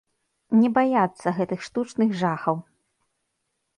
Не баяцца гэтых штучных жахаў.